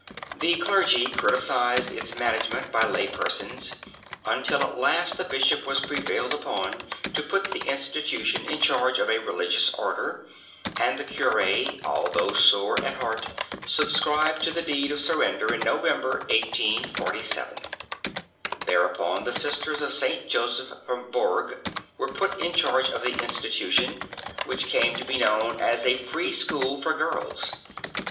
The clergy criticised its management by lay persons, until at last the bishop was prevailed upon to put the institution in charge of a religious order, and the cure, although sore at heart, subscribed to the deed of surrender in November, 1847. Thereupon the Sisters of St. Joseph from Bourg were put in charge of the institution, which came to be known as a "Free School for Girls."